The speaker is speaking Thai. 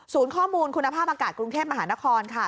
ข้อมูลคุณภาพอากาศกรุงเทพมหานครค่ะ